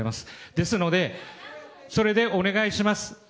ですので、それでお願いします。